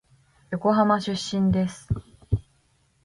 横浜出身です。